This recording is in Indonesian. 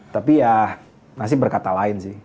tapi ya masih berkata lain sih